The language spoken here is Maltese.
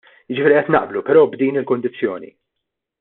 Jiġifieri qed naqblu, però b'din il-kundizzjoni.